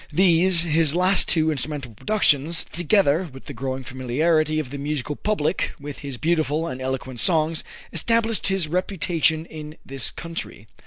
These, his last two instrumental productions, together with the growing familiarity of the musical public with his beautiful and eloquent songs, established his reputation in this country.